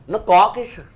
nó có cái